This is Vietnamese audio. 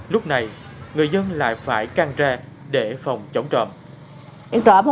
lúc này người dân lại phải căng ra để phòng chống trộm